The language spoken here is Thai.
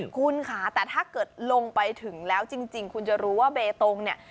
คุณค่ะแต่ถ้าเกิดลงไปถึงแล้วจริงคุณจะรู้ว่าเบตงเนี่ย